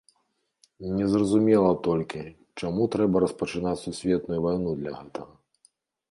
Незразумела толькі, чаму трэба распачынаць сусветную вайну для гэтага.